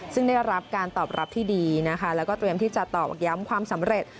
ซึ่งได้รับการตอบรับที่ดีนะคะแล้วก็เตรียมที่จะตอกย้ำความสำเร็จ